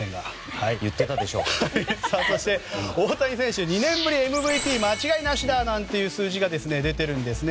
そして、大谷選手２年ぶりＭＶＰ間違いなしだなんて数字が出ているんですね。